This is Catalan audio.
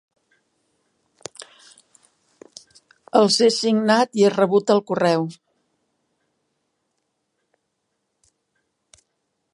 Els he signat i he rebut el correu.